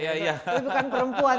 itu bukan perempuan